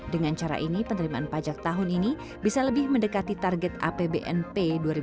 dengan cara ini penerimaan pajak tahun ini bisa lebih mendekati target apbnp dua ribu dua puluh